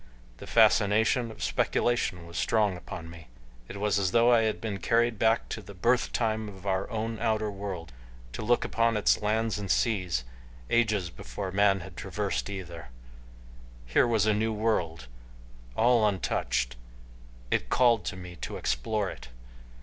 The fascination of speculation was strong upon me. It was as though I had been carried back to the birth time of our own outer world to look upon its lands and seas ages before man had traversed either. Here was a new world, all untouched. It called to me to explore it.